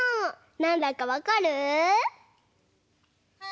なんだかわかる？